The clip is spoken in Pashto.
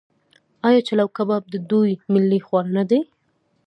آیا چلو کباب د دوی ملي خواړه نه دي؟